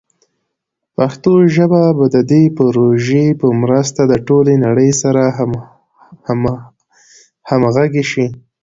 پښتو ژبه به د دې پروژې په مرسته د ټولې نړۍ سره همغږي شي.